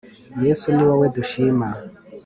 yesu, ni wowe dushima: